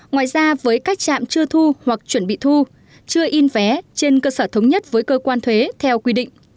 ngoài ra với các trạm chưa thu hoặc chuẩn bị thu chưa in vé trên cơ sở thống nhất với cơ quan thuế theo quy định